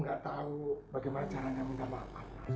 apakah maksudmu patience pak trickster